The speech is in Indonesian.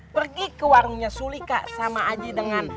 pergi ke warungnya sulika sama aji dengan